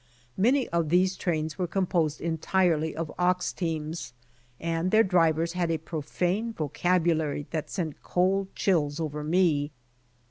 Many of these trains Avere composed entirely of ox teams, and their drivers had a profane vocabulary that sent cold chills over me.